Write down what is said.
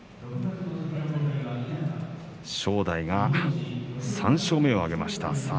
正代が３勝目を挙げました。